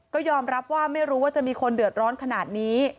ก็ยอมรับว่าไม่รู้ว่าจะมีคนเดือดร้อนขนาดนี้